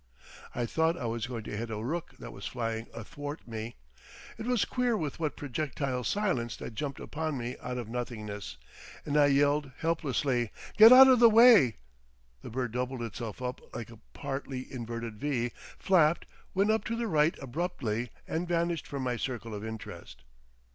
I thought I was going to hit a rook that was flying athwart me,—it was queer with what projectile silence that jumped upon me out of nothingness, and I yelled helplessly, "Get out of the way!" The bird doubled itself up like a partly inverted V, flapped, went up to the right abruptly and vanished from my circle of interest.